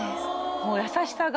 もう優しさが。